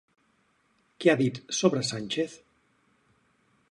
Què ha dit sobre Sánchez?